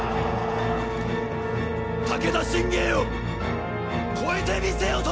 武田信玄を超えてみせよと！